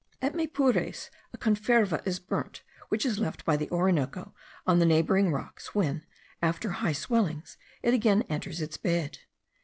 At Maypures a conferva is burnt, which is left by the Orinoco on the neighbouring rocks, when, after high swellings, it again enters its bed.